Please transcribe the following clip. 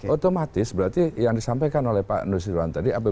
otomatis berarti yang disampaikan oleh pak nusirwan tadi